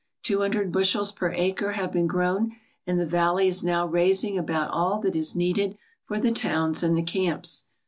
Two hundred bushels per acre have been grown, and the valley is now raising about all that is needed for the towns and the camps.